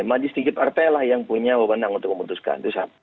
majelis tinggi partai lah yang punya wewenang untuk memutuskan